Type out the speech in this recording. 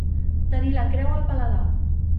Tenir la creu al paladar.